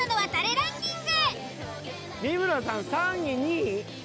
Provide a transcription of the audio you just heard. ランキング。